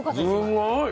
すごい！